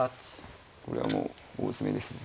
これはもう大詰めですね。